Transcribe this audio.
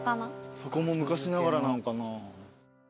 そこも昔ながらなんかな？